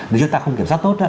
nếu chúng ta không kiểm soát tốt